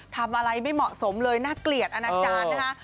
ทำอะไรไม่เหมาะสมเลยน่าเกลียดอนาจารย์นะคะ